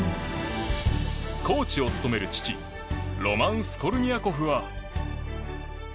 コーチを務める父ロマン・スコルニアコフは。